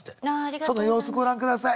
その様子ご覧ください。